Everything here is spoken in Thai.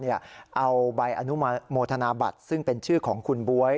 เอาใบอนุโมทนาบัตรซึ่งเป็นชื่อของคุณบ๊วย